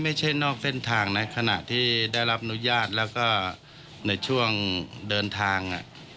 นอกเส้นทางนะขณะที่ได้รับอนุญาตแล้วก็ในช่วงเดินทาง